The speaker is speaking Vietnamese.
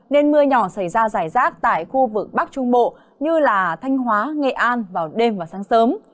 nên mưa nhỏ xảy ra giải rác tại khu vực bắc trung bộ như thanh hóa nghệ an vào đêm và sáng sớm